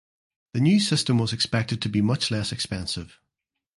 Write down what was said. The new system was expected to be much less expensive.